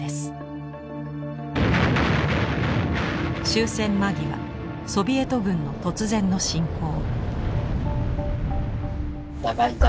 終戦間際ソビエト軍の突然の侵攻。